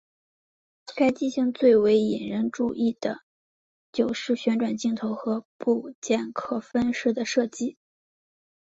该机型最为引人注意的就是旋转镜头和部件可分式的设计。